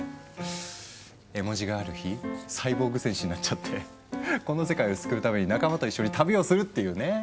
絵文字がある日サイボーグ戦士になっちゃってこの世界を救うために仲間と一緒に旅をするっていうね。